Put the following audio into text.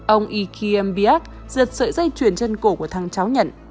ông ikembiak giật sợi dây chuyền chân cổ của thằng cháu nhận